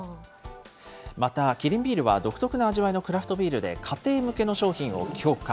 また、キリンビールは独特な味わいのクラフトビールで、家庭向けの商品を強化。